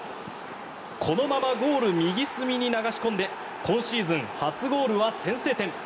このままゴール右隅に流し込んで今シーズン初ゴールは先制点。